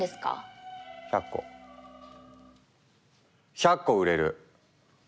１００個売れる！